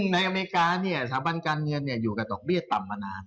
ในอเมริกาเนี่ยสถาบันการเงินอยู่กับดอกเบี้ยต่ำมานาน